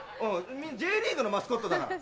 Ｊリーグのマスコットだから。